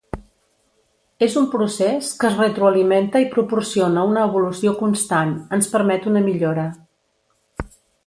És un procés que es retroalimenta i proporciona una evolució constant, ens permet una millora.